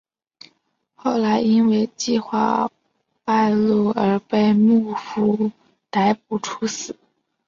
后来因为计划败露而被幕府逮捕处死。